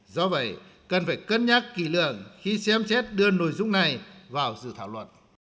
do vậy cần phải cân nhắc kỳ lượng khi xem xét đưa nội dung này vào dự thảo luật